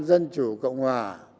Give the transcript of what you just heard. dân chủ cộng hòa